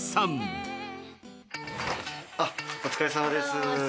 どうもお疲れさまです。